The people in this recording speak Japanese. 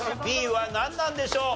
Ｄはなんなんでしょう？